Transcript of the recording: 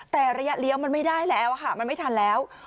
แต่ระยะเลี้ยวมันไม่ได้แล้วค่ะมันไม่ทันแล้ว